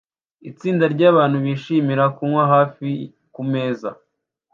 Itsinda ryabantu bishimira kunywa hafi kumeza